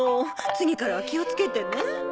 次からは気をつけてね。